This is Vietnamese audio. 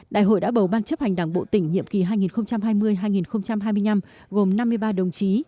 đại hội đã bầu ban chấp hành đảng bộ tỉnh nhiệm kỳ hai nghìn hai mươi hai nghìn hai mươi năm gồm năm mươi ba đồng chí